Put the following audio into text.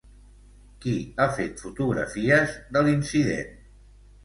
Qui ha fet fotografies de l'incident?